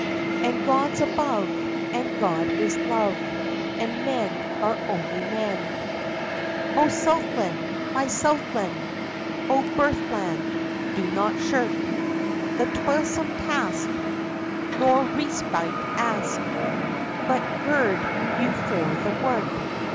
And God's above, and God is love, And men are only men. O Southland! my Southland! O birthland! do not shirk The toilsome task, nor respite ask, But gird you for the work.